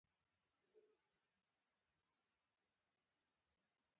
ګل صنمه وویل بله خبره شته نه وه.